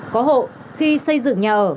có hộ khi xây dựng nhà ở